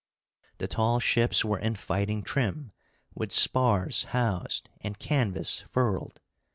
The tall ships were in fighting trim, with spars housed, and canvas furled.